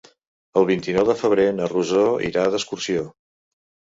El vint-i-nou de febrer na Rosó irà d'excursió.